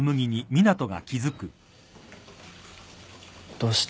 どうした？